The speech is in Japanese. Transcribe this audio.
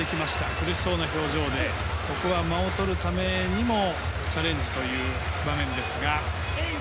苦しそうな表情でここは間をとるためにもチャレンジという場面ですが。